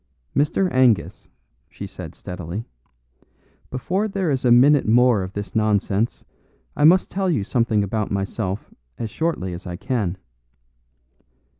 "Mr. Angus," she said steadily, "before there is a minute more of this nonsense I must tell you something about myself as shortly as I can.